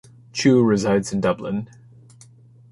Chu resides in Dublin.